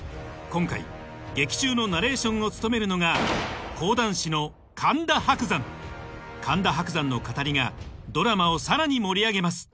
今回劇中のナレーションを務めるのが神田伯山の語りがドラマをさらに盛り上げます